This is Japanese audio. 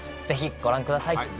ぜひご覧ください。